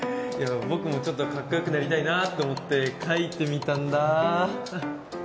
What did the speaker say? いや僕もちょっとかっこよくなりたいなって思って描いてみたんだ。